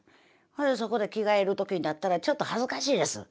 そいでそこで着替える時になったらちょっと恥ずかしいです。